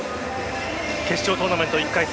決勝トーナメント１回戦